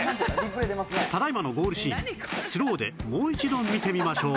ただ今のゴールシーンスローでもう一度見てみましょう